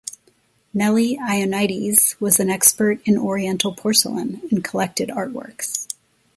Nellie Ionides was an expert in Oriental porcelain and collected artworks.